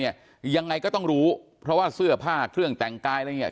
ยังไงก็ต้องรู้เพราะว่าเสื้อผ้าเครื่องแต่งกายอะไรเนี่ย